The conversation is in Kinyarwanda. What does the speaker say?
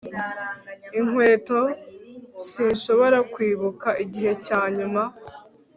inkweto. sinshobora kwibuka igihe cyanyuma